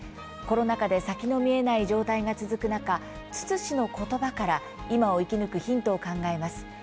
コロナ禍で先の見えない状態が続く中、ツツ氏のことばから今を生き抜くヒントを考えます。